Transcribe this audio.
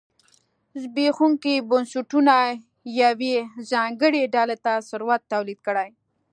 زبېښونکي بنسټونه یوې ځانګړې ډلې ته ثروت تولید کړي.